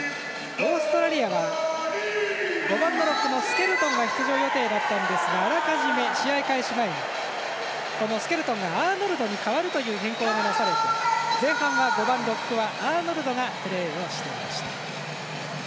オーストラリアは５番のラックのスケルトンが出場予定だったんですがあらかじめ、試合開始前にスケルトンがアーノルドに代わるというような発表がされて前半は５番はアーノルドがプレーしていました。